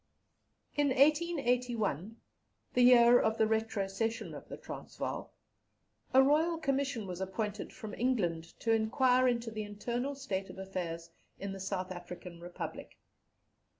In 1881, the year of the retrocession of the Transvaal, a Royal Commission was appointed from England to enquire into the internal state of affairs in the South African Republic.